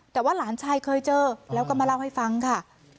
แต่ว่าหลานชายเคยเจอแล้วก็มาเล่าให้ฟังค่ะ